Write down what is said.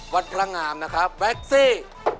วัดพระงามครับแวกซี